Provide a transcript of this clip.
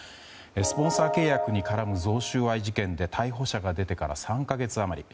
スポンサー契約に絡む贈収賄事件で逮捕者が出てから３か月余り。